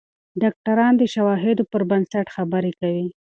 ډاکتران د شواهدو پر بنسټ خبرې کوي.